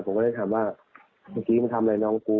ผมก็เลยถามว่าเมื่อกี้มึงทำอะไรน้องกู